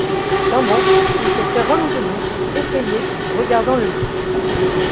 D’un bond, il s’était remis debout, effrayé, regardant le lit.